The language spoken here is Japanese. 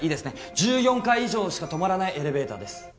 １４階以上しかとまらないエレベ―タ―です。